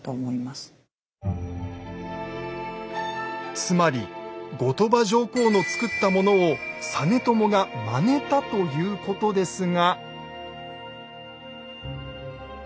つまり後鳥羽上皇の造ったものを実朝がまねたということですが。